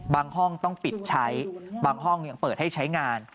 ห้องต้องปิดใช้บางห้องยังเปิดให้ใช้งาน